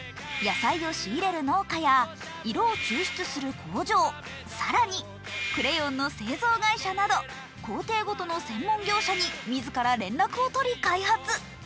野菜を仕入れる農家や色を抽出する工場、更に、クレヨンの製造会社など、工程ごとの専門業者に自ら連絡を取り開発。